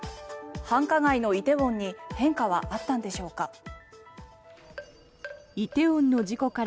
繁華街の梨泰院に変化はあったんでしょうか。